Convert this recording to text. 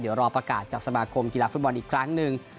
เดี๋ยวรอประกาศจากสมาคมกีฬาฟุตบอลอีกครั้งหนึ่ง